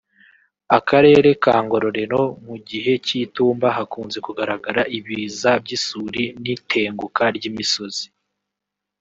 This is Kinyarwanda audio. Akarere ka Ngororero mu gihe cy’itumba hakunze kugaragara ibiza by’isuri n’itenguka ry’ imisozi